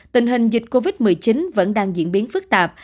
tình hình dịch covid một mươi chín vẫn đang diễn biến phức tạp